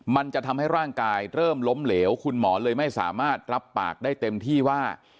มันจะทำให้ร่างกายเริ่มล้มเหลวคุณหมอเลยไม่สามารถรับปากได้เต็มที่ว่า